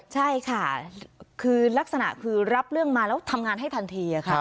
ใช่ค่ะคือลักษณะคือรับเรื่องมาแล้วทำงานให้ทันทีค่ะ